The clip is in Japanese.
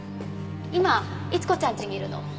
今逸子ちゃんちにいるの。